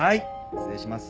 失礼します。